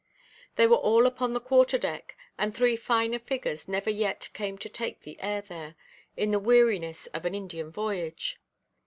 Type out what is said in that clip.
They were all upon the quarter–deck; and three finer figures never yet came to take the air there, in the weariness of an Indian voyage.